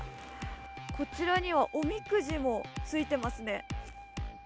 こちらにはおみくじも付いてますね。